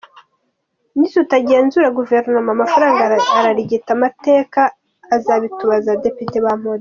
Nitutagenzura guverinoma amafaranga arigita …amateka azabitubaza” Depite Bamporiki.